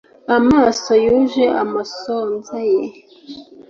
amaso yuje amasonza ye